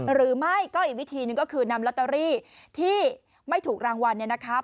หรือไม่ก็อีกวิธีหนึ่งก็คือนำลอตเตอรี่ที่ไม่ถูกรางวัลเนี่ยนะคะ